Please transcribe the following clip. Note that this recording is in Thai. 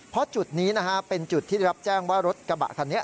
เพราะจุดนี้นะฮะเป็นจุดที่ได้รับแจ้งว่ารถกระบะคันนี้